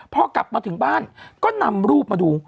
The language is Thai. พอกลับมาถึงบ้านก็นำรูปมาดู